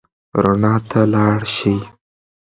رڼا ته لاړ شئ.